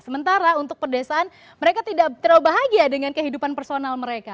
sementara untuk pedesaan mereka tidak terlalu bahagia dengan kehidupan personal mereka